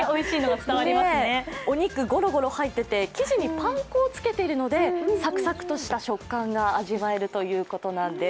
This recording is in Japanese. お肉ごろごろ入ってて生地にパン粉をつけているのでサクサクとした食感が味わえるということなんです。